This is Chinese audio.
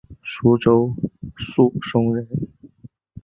舒州宿松人。